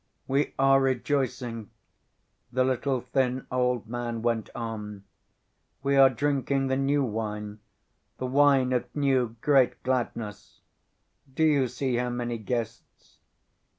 "We are rejoicing," the little, thin old man went on. "We are drinking the new wine, the wine of new, great gladness; do you see how many guests?